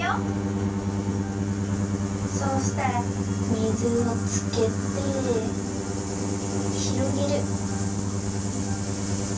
そうしたら水をつけてひろげる。